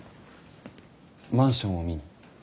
マンションを見に？